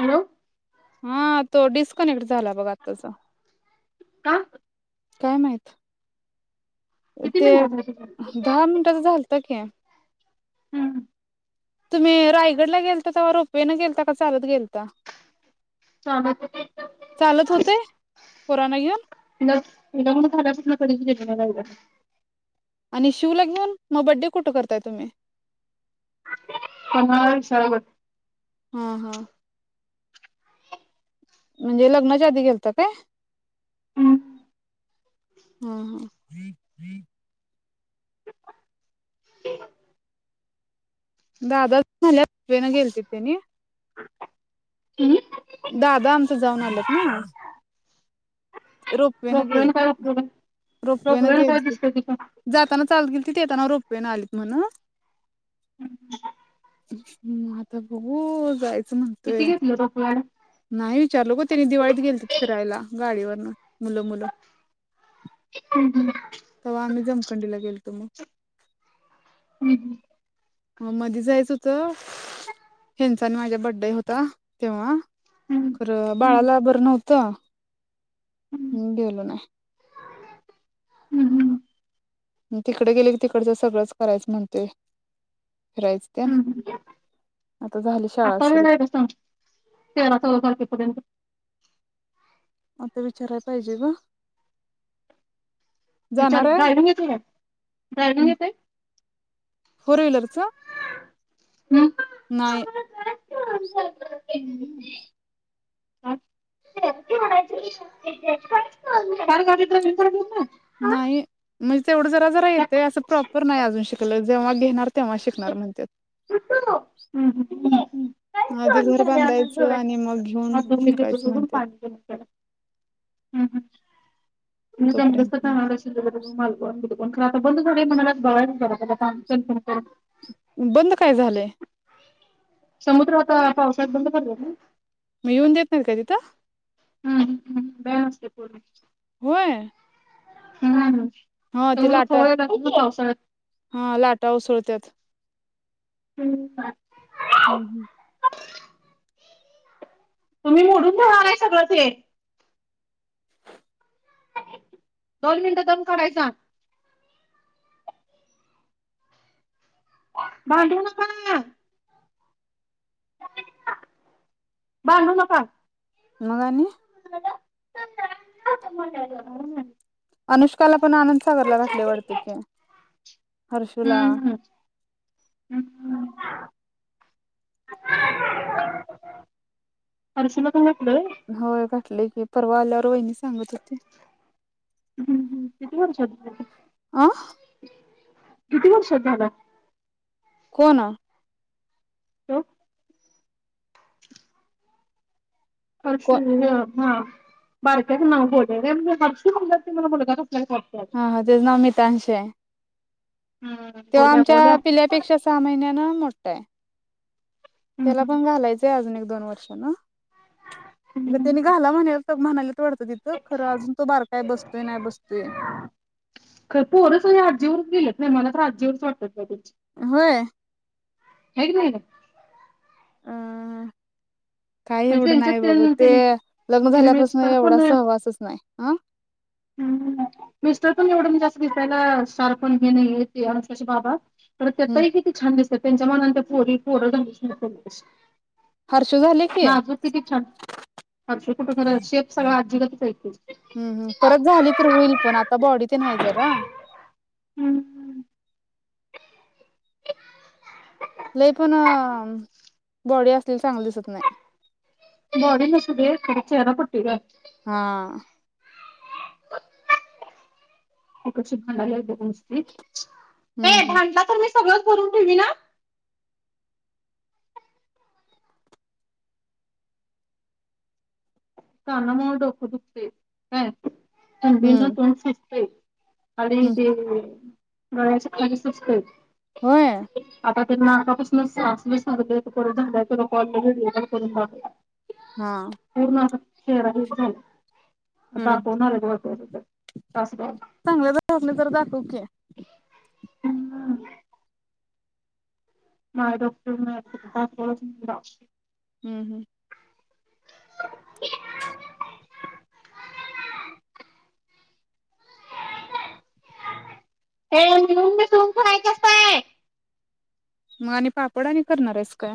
Hello हा तो disconnect झाला बघा आत्ताचा का? काय माहित? किती ते मिनिटात होत दहा मिनिटाच झालत की हम्म तुम्ही रायगडला गेलता तेव्हा रोपवेन गेलता, का चालत गेलता? [unintelligible] लग्न, चालत होते पोरांना घेऊन मी लग्न झाल्यापासून कधीच गेले नाय. [unintelligible] आणि शिवला घेऊन, मग बड्डे कुठं करताय तुम्ही? पन्हाळा विशालगड हम हम म्हणजे लग्नाच्या आधी गेलता काय? हम्म हम्म हम्म [unintelligible] [unintelligible] दादाच झाल्यान रोपवेन गेलती त्यानि हम्म दादा आमच जाऊन आल्यात ना. रोपवे न गेल, रोपवेला काय उपयोग आहे रोपवे न रोपवेला काय गेलते, दिसतंय तिथं जाताना चालत गेलते ते येताना रोपवे न आली. म्हण [inaudible] ह् आता बघू जाय किती घेतलं डोकवाड नाही विचारलं ग त्यानी दिवाळीत गेलतेत फिरायला गाडीवर [inaudible] हम् हम् व्हा आम्ही जमखंडी ला गेलो तुम ह्म्म ह्म्म मधी जायचं होत पण माझे बड्डे होता तेव्हा हम्म खरं हम्म बाळाला बरं नव्ह त्ता हम्म हम् गेलो नाही हम्म हम् ह तिकडे गेले की तिकडच सगळंच करायचं म्हणते हम् आता झाली शाळा आता सुरू वेळ आहे ब सां तेरा चौदा तारखेपर्यंत आता विचाराय पाहिजे ग जाणार विचार आहे ड्रायविंग येतय का ड्रायविंग येतय फोर व्हीलरच नाही [unintelligible] [unintelligible] नाही म्हणजे तेवढं जरा जरा येतय असं प्रॉपर नाही अजून शिकलं जेव्हा घेणार तेव्हा शिकणार म्हणत्यात येत नाही आधी घर बांधायचं आणि मग घेऊन हात धुवून मी घेतो शिकायचं सोडून म्हणत्यात पाणी पण त्याला. मी जमलच तोपर्यंत नाही तर [inaudible] मंग खर आता बंद झालय म्हणालात [inaudible] [unintelligible] बंद काय झालय? समुद्र आता पावसाळ्यात बंद पडला ना? मग येऊन देत नाहीत का तिथं? [unintelligible] होय. हम्म. हा ते समुद्र लाटा खवळलेला असतो ना पावसाळ्यात. हा लाटा उसळत्यात. [inaudible] हम्म हम्म तुम्ही मोडून ठेवणार आहे सगळं ते दोन मिनटं दम काढायचा भांडू नका भांडू नका मगाणी [inaudible] [unintelligible] अनुष्काला पण आनंदसागरला घातले वाटते की हर्षला हम् हम् हर्षु ला पण घातलय? होय भेटले की परवा आल्यावर वहिनी सांगत होती किती वर्षाचा झालय? आं किती वर्षात झालाय? कोण अ हो कोण हर्षू आ हा बाारक्या ना बोल र हर्ष बोला त मला मुलगा नको? हा हा तेच ना मिताांश? [unintelligible] तेव्हा गोल्या आमच्या गोल्या पिल्यापेक्षा सहा महिन्याना मो तेे त्याला पण घालायचंय अजून एक दोन वर्ष ना त्यानी घाला म्हणेल लग म्हणाले त तिथं खरं अजून तो बारका य अजून बसतोय नाही बसतोय राज्यवरच वाटत होय हायकी नाही ग अ काही म्हणजे एवढं त्यांच्यात नाही बाबा त्यां ते त्यां लग्न ते झाल्यापासून मिस्टर एवढा सहवासच नाही आं हम् मिस्टर पण एवढं जास्त दिसायला शार्प पण हे नाही येत अनुशाचे बाबा तर त्या हम्म ताई किती छान दिसतात त्यांच्या मनाने पोरी पोर झालीत नाही हर्षू झाले की नाजूक किती छान अस - शेप सगळ गातचहाय की हम्म हम्म परत झाली तर होईल पण आता बॉडी ते नाही जरा हम्म लय पण बॉडी असलेली चांगली दिसत नाही बॉडी नसले तरी चेहरा पट्टी ग हा ही कशी भांडालेत बघ नुसती हम्म ए हम्म भांडला तर नुस सगळंच भरून ठेवीन हं कानामुळं डोकं दुखते काय थंडीनं हम्म तोंड सुजतंय आळी हम्म ते गळ्याच्या खाली सुजतंय होय नाकापसन साचलंय सर्दी एक पडून झाल्या की ग कॉल करून हा पूर्ण आ तेरा ग्रुप झाल्यात हम्म दाखवून आलेत वाटतं तिथं तासगावला चांगल्या दवाखान्यात जरा दाखव की माय डॉक्टर ने तासगावत येऊन दाव हम्म हम्म [inaudible] ए मिळून मिसळून खेळायच असतय म आणि पापड आणि करणार हाईस काय?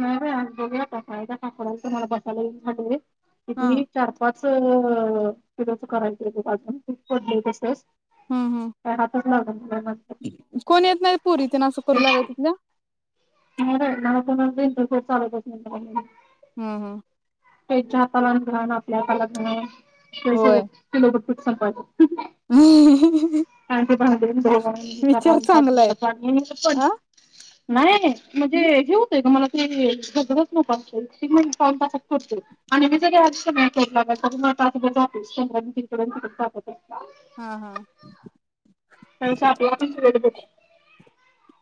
नाही बाई आज बघूया आता काय त्या पापडच तर मला बसायला येईना झालय हा किती ई चार पाच सगळं तिकडचं करायचं हाय गं पाच ऊन पडलंय तसंच हम्म हम्म अ हात लागा--ने कोण येत नाही पुरी तेन असं करू लागाय तिथल्या तुम्हाला काय वाटलं फोन मध्ये इंटर कोर्स चालू आहे काय की म्हटलं हम्म हम्म त्याच्या हाताला घाण आणि आपल्या हाताला घाण कस होतंय होय किलो बघ पीठ संपायचं हू हू आण ते भांडे धुवा हे करा विचार हाथ चांगला धुवायला आहेत पाणी पण आ नाही म्हणजे हे होतंय गं मला ते [unintelligible] उपास ती म्हणते पाऊण तासात करतोय आणि मी सगळी [unintelligible] स्वयंपाकात तरी मला तासभर जातयचं स्वयंपाक हिकडं आणि तिकडं [unintelligible] हा हा त्यापेक्षा आपल आपन केलेलं बरं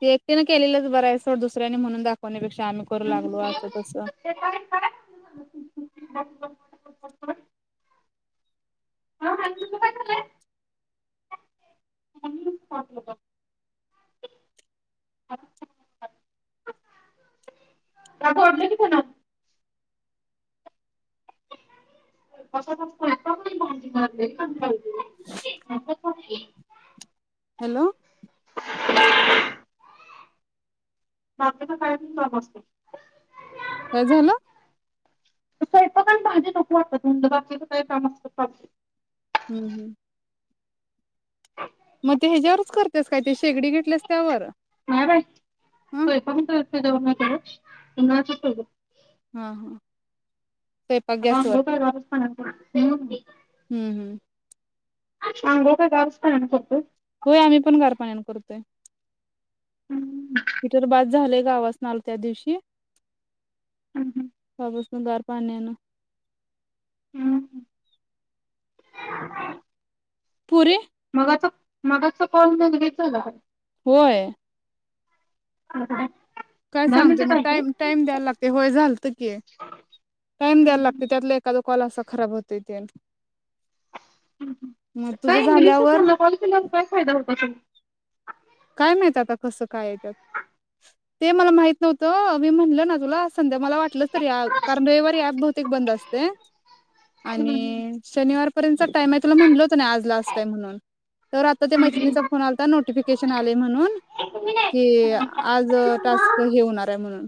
ते एकटींनच केलेलचं बर आहे सोड दुसऱ्यांनी म्हणून दाखवण्यापेक्षा की आम्ही करु लागलो असं तस [unintelligible] [unintelligible] [unintelligible] [unintelligible] हॅलो [inaudible] [unintelligible] काय झालं ते स्वयंपाक आण भांडी नको वाटत घासायला दुसर काय काम हम्म हम्म मग ते ह्याच्यावरच करतेस काय ते शेगडी घेतलेस त्यावर नाय बाई हं [unintelligible] [unintelligible] हा हा स्वयंपाक [unintelligible] गॅसवर अंघोळ काय गारच हम्म हम्म पाण्याने करतोय होय आम्ही पण गार पाण्यानं करतोय हम्म. हिटर बाद झाले गाव असणार त्या दिवशी हम्म. [unintelligible] गार पाण्यानं आम् पुरे मगाच मगाच कॉल [unintelligible] होय. ह [unintelligible] काय सांगते मग टाईम टाइम द्यायला लागते होय झालत की टाइम द्यायला लागते त्यातला एखद कॉल असा खराब होतो त्यानं हम्म हम्म काय इंग्लिशच झाल्यावर त्यांना कॉल केल्यावर काय फायदा होत असल काय माहित आता कस कायत ते मला माहित नव्हतं अम म्हणलं ना तुला संध्या मला वाटलच तरी कारण रविवारी बहुतेक ऍप बंद असतय हम्म. आणि शनिवार [unintelligible] ताई मी तुला म्हणलं होत ना आज लास्ट आहे म्हणून तर त्या मैत्रिणीचा हम्म. फोन आलता नोटीफेकेशन लोकेशन आले म्हणून की आज टास्क हे होणार आहे म्हणून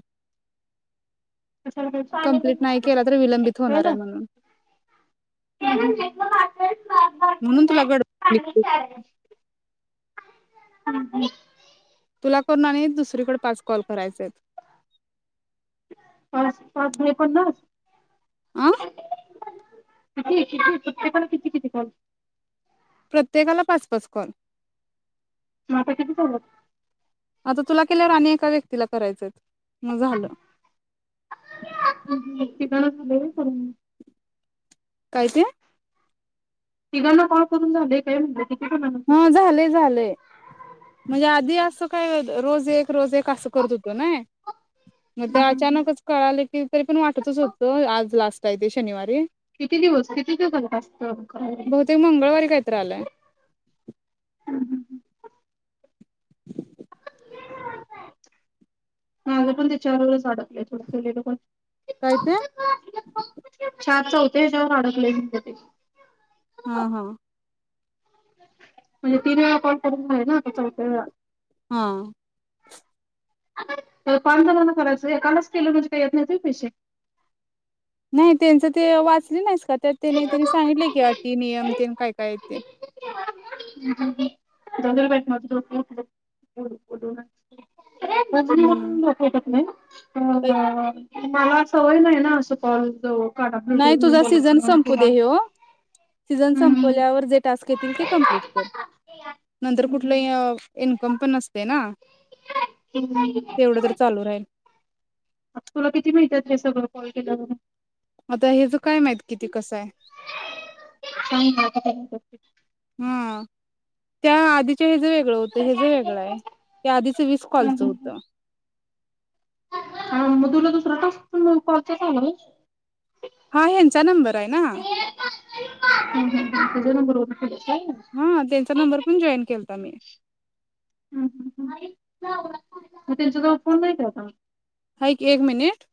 कंप्लीट नाही केला तर विलंबित होणार आहे म्हणून [unintelligible] म्हणून तुला गडघ हम्म हम्म तुला करून आणि दुसरीकडे पाच कॉल करायचे आहेत पाच पाच दुने पन्नास आं किती किती किती पण किती किती कॉल प्रत्येकाला पाच पाच कॉल म आता किती झाल्यात आता तुला केल्यावर आणि एका व्यक्तीला करायचयेत तिघ जण झाले होय [inaudible] काय ते तिघांना कॉल करून झालय काय म्हणलो हा झालय झालय म्हणजे आधी असं काय? रोज एक रोज एक असं करत होतो नाय म ते अचानकच कळाले की तरी पण वाटतच होतं आज लास्ट काय ते शनिवारी किती दिवस किती दिवसाचा टास्क कर बहुतेक मंगळवारी काहीतरी आलाय करायला [inaudible] माझ पण त्याच्याबरोबर च आडक काय ते [unintelligible] चार चौथ्या हेच्यावर आडकलय म्हणते ते हा हा म्हणजे तीन वेळा कॉल करून झाले ना आता चौथ्या वेळा हा पाच जणांना करायचय एकालाच केलं म्हणजे काय येत नाहीत व्हय पैसे नाय त्यांचं ते वाचले नाहीस का? तर त्याने त्यांनी सांगितले की अटी नियम तेनं काय काय आहेत ते [unintelligible] हम्म तर- [unintelligible] मला सवय नाही ना अस कॉल जो नाही तुझा सीझन संपू दे ह्यो सीझन हम्म. संपल्यावर जे टास्क येतील ते कमप्लीट कर नंतर हम्म. कुठलं इन्कम पण नसतय ना तेवढं तर चालू राहील. तुला किती माहित्यात हे सगळं कॉल केल्या वरून आता हेज काय माहित किती कसं आहे. सांग मला किती मिळतात ते. हा त्या आधी हे ज वेगळं होतं हे ज वेगळं आहे ते आधीच वीस कॉलचं होत. आणि मग तुला दुसरा टास्क पण कॉलचाच आला होय. हा ह्यांचा नंबर हाय ना हम्म, हम्म, हम्म. तुझ्या नंबरवरून केलंस व्हय? हा त्यांचा नंबर पण जॉईन केलता मी म त्यांचा जवळ फोन नाही का आता हाय की एक मिनिट